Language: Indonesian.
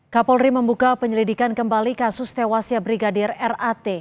kapolri membuka penyelidikan kembali kasus tewasnya brigadir rat